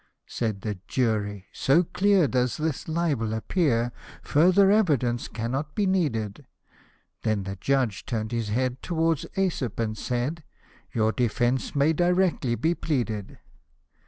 " Said the jury, " So clear does the libel appear, Further evidence cannot be needed ;" Then the judge turn'd his head towards /Esop, and said, " Your defence may directly be pleaded."